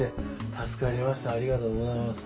助かりましたありがとうございます。